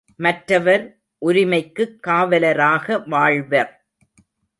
மற்றவர் உரிமைக்குக் காவலராக வாழ்வர்.